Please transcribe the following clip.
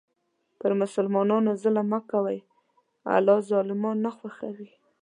پر مسلمانانو ظلم مه کوه، الله ظالمان نه خوښوي.